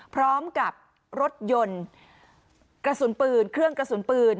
พร้อมกับรถยนต์กระสุนปืนเครื่องกระสุนปืน